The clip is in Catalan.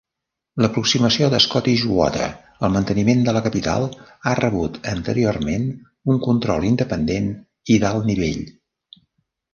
L"aproximació de Scottish Water al manteniment de la capital ha rebut anteriorment un control independent i d"alt nivell.